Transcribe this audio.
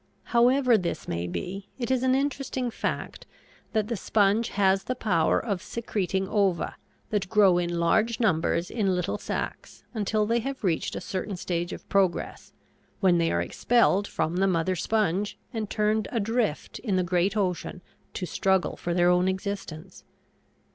However this may be, it is an interesting fact that the sponge has the power of secreting ova that grow in large numbers in little sacks until they have reached a certain stage of progress, when they are expelled from the mother sponge and turned adrift in the great ocean to struggle for their own existence.